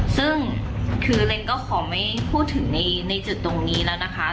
ซึ่งคือเรนก็ขอไม่พูดถึงในจังหวังนะครับ